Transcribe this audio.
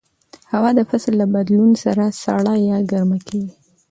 هوا د فصل له بدلون سره سړه یا ګرمه کېږي